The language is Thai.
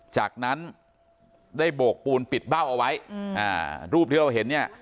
จากนั้นได้โบกปูนปิดเบ้าเอาไว้รูปที่เราเห็นเนี่ย